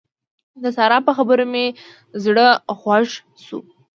د سارا په خبرو مې زړه خوږ شو.